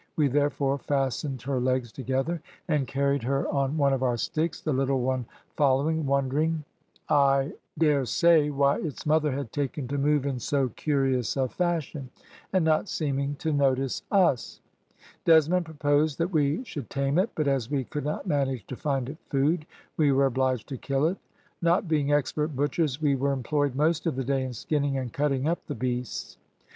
We therefore fastened her legs together, and carried her on one of our sticks, the little one following, wondering, I dare say, why its mother had taken to move in so curious a fashion, and not seeming to notice us. Desmond proposed that we should tame it, but as we could not manage to find it food, we were obliged to kill it. Not being expert butchers, we were employed most of the day in skinning and cutting up the beasts.